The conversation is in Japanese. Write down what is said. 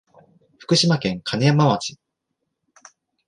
福島県金山町